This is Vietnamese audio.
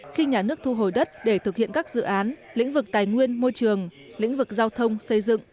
khi nhà nước thu hồi đất để thực hiện các dự án lĩnh vực tài nguyên môi trường lĩnh vực giao thông xây dựng